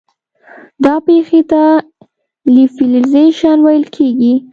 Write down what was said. دا پېښې ته لیوفیلیزیشن ویل کیږي.